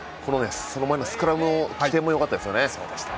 その前のスクラムの起点もよかったですね。